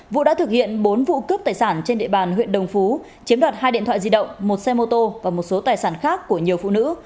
vũ đã thực hiện bốn vụ cướp tài sản trên địa bàn huyện đồng phú chiếm đoạt hai điện thoại di động một xe mô tô và một số tài sản khác của nhiều phụ nữ